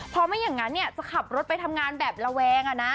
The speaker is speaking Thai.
เพราะไม่อย่างนั้นจะขับรถไปทำงานแบบระแวง